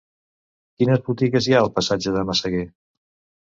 Quines botigues hi ha al passatge de Massaguer?